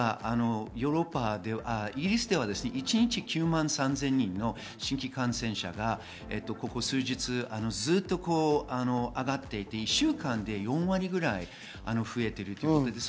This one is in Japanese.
イギリスでは一日９万３０００人の新規感染者がここ数日、ずっと上がっていて１週間で４割ぐらい増えているということです。